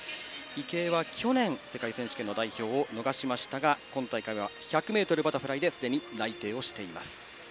池江は去年、世界選手権の代表を逃しましたが今大会は１００ｍバタフライですでに内定をしています。